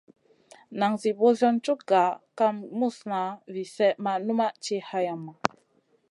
Nan Zi ɓosion cug gah kam muzna vi slèh ma numʼma ti hayama.